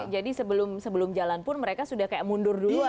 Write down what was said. jadi sebelum jalan pun mereka sudah kayak mundur duluan gitu ya